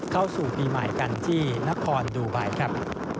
เข้าสู่ปีใหม่กันที่นครดูไบครับ